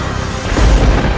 aku akan menang